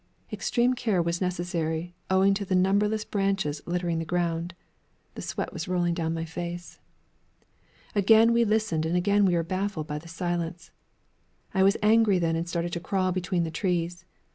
Extreme care was necessary, owing to the numberless branches littering the ground. The sweat was rolling down my face. Again we listened and again we were baffled by that silence. I was angry then and started to crawl between the trees.